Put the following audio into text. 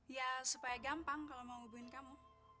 ya supaya gampang kalau mau ngubuin kamu